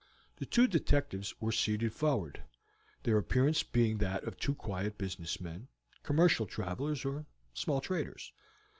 The two detectives were seated forward, their appearance being that of two quiet business men, commercial travelers or small traders.